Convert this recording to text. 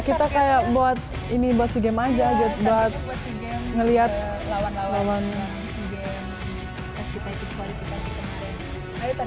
kita kayak buat ini masih game aja buat ngelihat